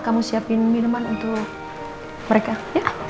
kamu siapin minuman untuk mereka ya